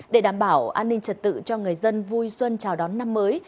để đảm bảo an ninh trật tự cho người dân vui xuân chào đón năm mới